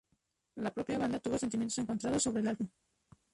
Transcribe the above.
La propia banda tuvo sentimientos encontrados sobre el álbum.